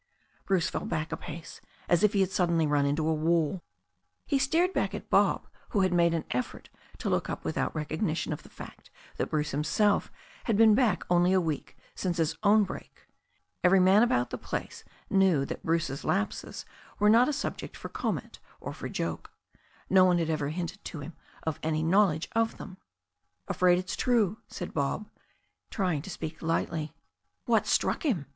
Bruce fell back a pace, as if he had suddenly run into a wall. He stared back at Bob, who had made an effort to look up without recognition of the fact that Bruce himself had been back only a week since his own break. Every man about the place knew that Bruce's lapses were not a subject for comment or for joke. No one had ever hinted to him of any knowledge of them, "Afraid it's true," said Bob, trying to speak lightly. "What struck him?"